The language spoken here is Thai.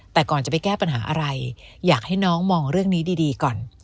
แต่ก่อนจะไปแก้ปัญหาอะไรอยากให้น้องมองเรื่องนี้ดีก่อน